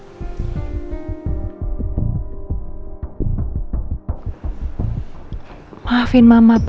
assalamualaikum warahmatullahi wabarakatuh